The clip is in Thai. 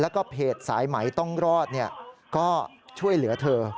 แล้วก็เพจสายไหมต้องรอดก็ช่วยเหลือเธอ